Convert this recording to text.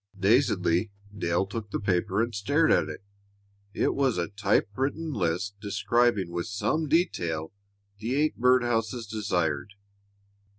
Dazedly Dale took the paper and stared at it. It was a type written list describing, with some detail, the eight bird houses desired.